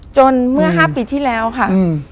เมื่อ๕ปีที่แล้วค่ะ